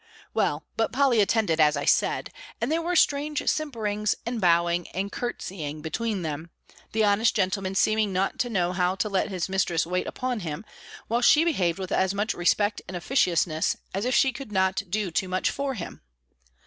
Well, but Polly attended, as I said; and there were strange simperings, and bowing, and curt'sying, between them; the honest gentleman seeming not to know how to let his mistress wait upon him; while she behaved with as much respect and officiousness, as if she could not do too much for him.